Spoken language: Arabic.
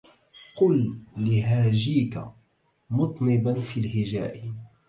قل لهاجيك مطنبا في الهجاء